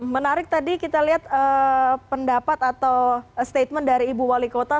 menarik tadi kita lihat pendapat atau statement dari ibu wali kota